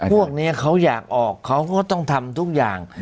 พวกนี้เขาอยากออกเขาก็ต้องทำทุกอย่าง